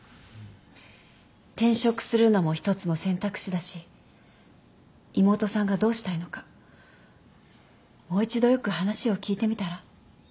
転職するのも一つの選択肢だし妹さんがどうしたいのかもう一度よく話を聞いてみたら？